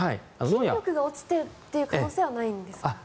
筋力が落ちてる可能性はないんですか。